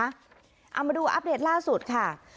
เอามาดูอัปเดตล่าสุดค่ะ